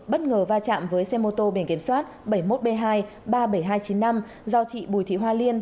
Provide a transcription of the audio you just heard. bất ngờ va chạm với xe mô tô biển kiểm soát bảy mươi một b hai ba mươi bảy nghìn hai trăm chín mươi năm do chị bùi thị hoa liên